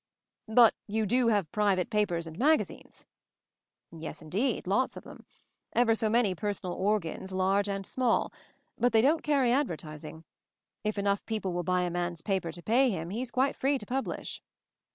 "But you do have private papers and magazines ?" "Yes indeed, lots of them. Ever so many personal 'organs/ large and small. But they don't carry advertising. If enough people i will buy a man's paper to pay him, he's quite I free to publish."